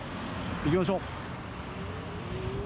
行きましょう。